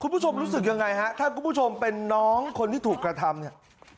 คุณผู้ชมรู้สึกยังไงฮะถ้าคุณผู้ชมเป็นน้องคนที่ถูกกระทำเนี่ย